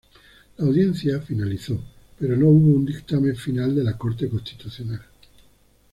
La audiencia finalizó, pero no hubo un dictamen final de la Corte Constitucional.